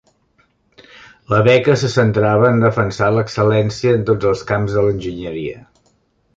La beca se centrava en defensar l'excel·lència en tots els camps de l'enginyeria.